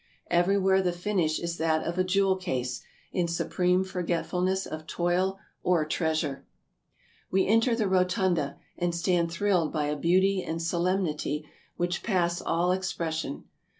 Every where the finish is like that of a jewel case, in supreme for getfulness of toil or treasure. We enter the rotunda, and stand thrilled by a beauty and solemnity which pass all expression.